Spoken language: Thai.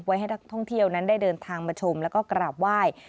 ให้นักท่องเที่ยวนั้นได้เดินทางมาชมแล้วก็กราบไหว้